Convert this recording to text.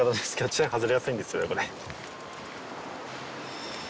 チェーン外れやすいんですこれ。